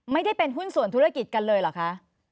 ไม่ได้เป็นหุ้นส่วนธุรกิจกันเลยเหรอคะ